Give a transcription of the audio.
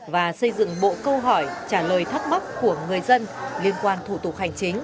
và xây dựng bộ câu hỏi trả lời thắc mắc của người dân liên quan thủ tục hành chính